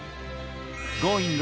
Ｇｏｉｎｇ！